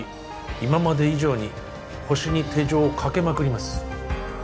今まで以上にホシに手錠をかけまくります